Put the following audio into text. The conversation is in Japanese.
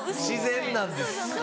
自然なんですか。